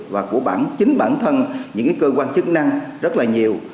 và của bản chính bản thân những cơ quan chức năng rất là nhiều